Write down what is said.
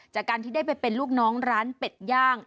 จากการที่ได้ไปเป็นลูกน้องร้านเป็ดย่าง